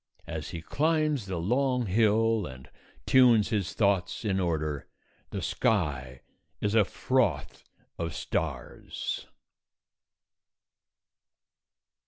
As he climbs the long hill and tunes his thoughts in order, the sky is a froth of stars.